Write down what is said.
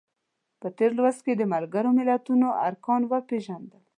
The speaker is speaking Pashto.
په تېر لوست کې د ملګرو ملتونو ارکان وپیژندل.